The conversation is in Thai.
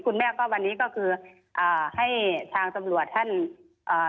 คุณแม่ก็วันนี้ก็คืออ่าให้ทางตำรวจท่านอ่า